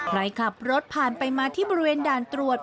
ใครขับรถผ่านไปมาที่บริเวณด่านตรวจ